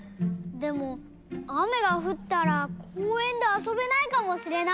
でもあめがふったらこうえんであそべないかもしれない。